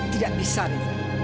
tidak bisa lho